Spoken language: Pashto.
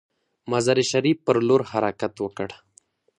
مزار شریف پر لور حرکت وکړ.